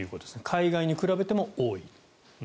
海外に比べても多い。